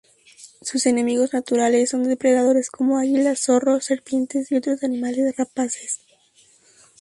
Sus enemigos naturales son depredadores como águilas, zorros, serpientes y otros animales rapaces.